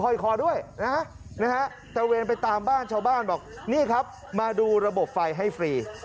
คอด้วยนะฮะตระเวนไปตามบ้านชาวบ้านบอกนี่ครับมาดูระบบไฟให้ฟรี